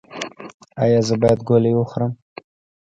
ایا زه باید ګولۍ وخورم؟